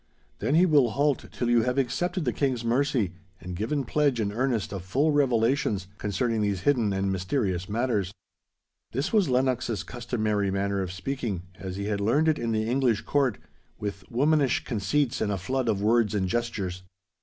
Then he will halt till you have accepted the King's mercy, and given pledge and earnest of full revelations concerning these hidden and mysterious matters.' This was Lennox's customary manner of speaking—as he had learned it in the English Court, with womanish conceits and a flood of words and gestures.